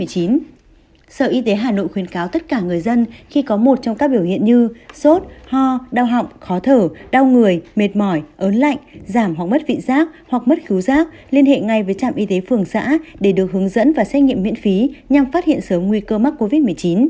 sở y tế hà nội khuyến cáo tất cả người dân khi có một trong các biểu hiện như sốt ho đau họng khó thở đau người mệt mỏi ớn lạnh giảm hoặc mất vị giác hoặc mất cứu giác liên hệ ngay với trạm y tế phường xã để được hướng dẫn và xét nghiệm miễn phí nhằm phát hiện sớm nguy cơ mắc covid một mươi chín